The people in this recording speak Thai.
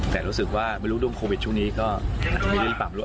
แต่รู้สึกว่าไม่รู้ดวงโควิดช่วงนี้ก็ไม่รู้หรือเปล่า